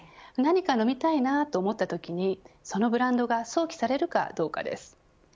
何か飲みたいなと思ったときにそのブランドが想起されるかどうかです。